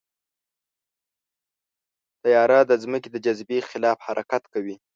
طیاره د ځمکې د جاذبې خلاف حرکت کوي.